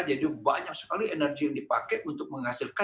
jadi banyak sekali energi yang dipakai untuk menghasilkan